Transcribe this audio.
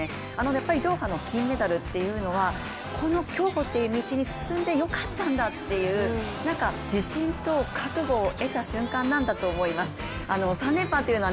やっぱりドーハの金メダルっていうのはこの競歩っていう道に進んでよかったんだっていう自信と覚悟を得た瞬間なんだと思います。